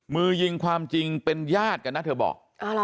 มือยิงความจริงเป็นญาติกันนะเธอบอก